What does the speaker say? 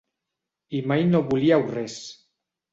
I mai no volíeu res.